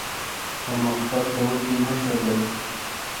پرمختګ د ودې نښه ده.